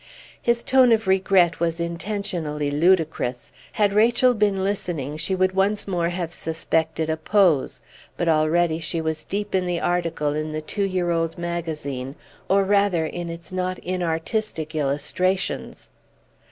His tone of regret was intentionally ludicrous. Had Rachel been listening, she would once more have suspected a pose. But already she was deep in the article in the two year old magazine, or rather in its not inartistic illustrations.